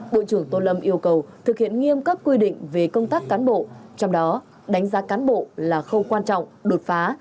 bộ trưởng tô lâm yêu cầu thực hiện nghiêm các quy định về công tác cán bộ trong đó đánh giá cán bộ là khâu quan trọng đột phá